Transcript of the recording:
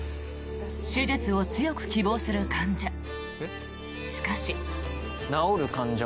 手術を強く希望する患者。